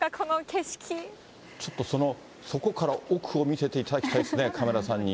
ちょっとその、そこから奥を見せていただきたいですね、カメラさんに。